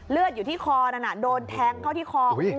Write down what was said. เลือดอยู่ที่คอนั้นโดนแทงเข้าที่คอ